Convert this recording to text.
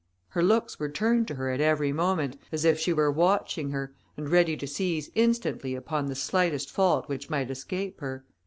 Her looks were turned to her at every moment, as if she were watching her, and ready to seize instantly upon the slightest fault which might escape her.